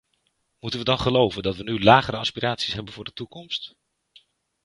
Moeten we dan geloven dat we nu lagere aspiraties hebben voor de toekomst?